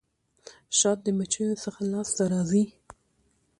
شات د مچيو څخه لاسته راځي.